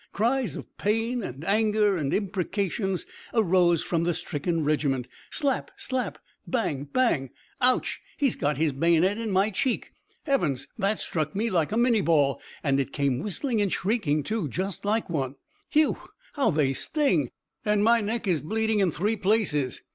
Cries of pain and anger, and imprecations arose from the stricken regiment. "Slap! Slap!" "Bang! Bang!" "Ouch! He's got his bayonet in my cheek!" "Heavens, that struck me like a minie ball! And it came, whistling and shrieking, too, just like one!" "Phew, how they sting! and my neck is bleeding in three places!"